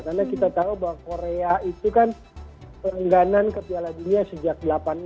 karena kita tahu bahwa korea itu kan pengganan ke piala dunia sejak seribu sembilan ratus delapan puluh enam